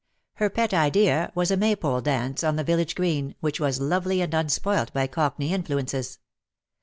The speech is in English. Her pet idea was a Maypole dance on the village green, which was lovely and unspoilt by cockney influences.